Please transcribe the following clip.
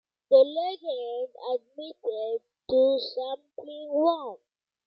The Legend admitted to sampling Wham!